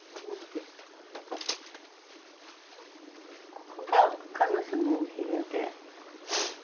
ここが彼女のお部屋で。